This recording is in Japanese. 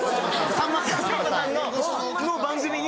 さんまさんの番組に。